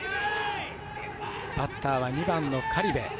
バッターは２番の苅部。